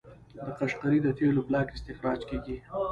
د قشقري د تیلو بلاک استخراج کیږي.